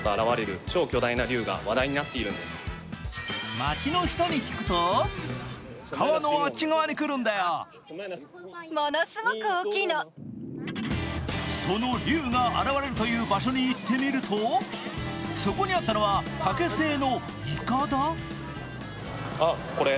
街の人に聞くとその龍が現れるという場所に行ってみるとそこにあったのは、竹製のいかだ。